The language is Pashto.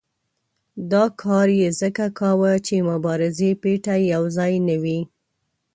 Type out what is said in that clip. دا کار یې ځکه کاوه چې مبارزې پېټی یو ځای نه وي.